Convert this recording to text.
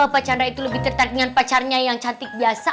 pak chandra itu lebih tertarik dengan pacarnya yang cantik biasa